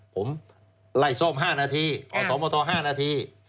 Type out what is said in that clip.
ผมไล่ส้ม๕นาทีอสมท๕นาที